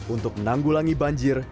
untuk menanggulangi banjir